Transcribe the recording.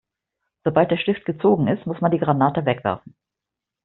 Sobald der Stift gezogen ist, muss man die Granate wegwerfen.